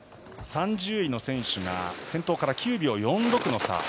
３０位の選手が先頭から９秒４６の差。